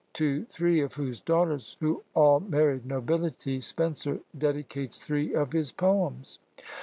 to three of whose daughters, who all married nobility, Spenser dedicates three of his poems.